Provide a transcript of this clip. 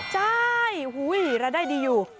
ใช่รายได้ดีอยู่